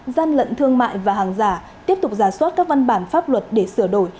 gian lận thương mại và hàng giả tiếp tục giả soát các văn bản pháp luật để sửa đổi